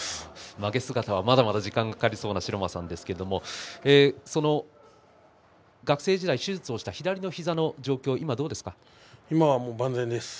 まげ姿はまだまだ時間がかかりそうな城間さんですけれど学生世代に手術をした左膝の状況は今どうですか？